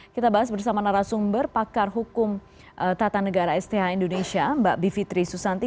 kita bahas bersama narasumber pakar hukum tata negara sth indonesia mbak bivitri susanti